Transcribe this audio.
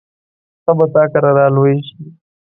ښه به تا کره را لوی شي.